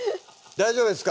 大丈夫です